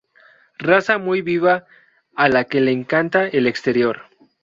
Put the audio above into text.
Raza muy viva a la que le encanta el exterior.